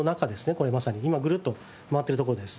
これまさに今ぐるっと回ってるところです。